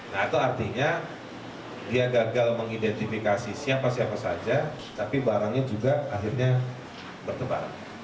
nah itu artinya dia gagal mengidentifikasi siapa siapa saja tapi barangnya juga akhirnya bertebar